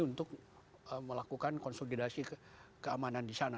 untuk melakukan konsultasi keamanan disana